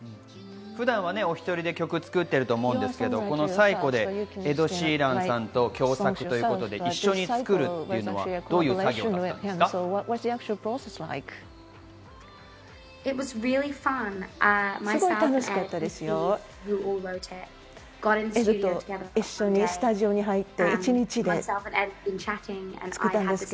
普段はお１人で曲を作ってると思いますが、『Ｐｓｙｃｈｏ』でエド・シーランさんと共作ということで、一緒に作るのはどういう作業だったんですか？